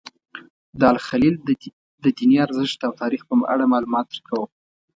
د الخلیل د دیني ارزښت او تاریخ په اړه معلومات درکوم.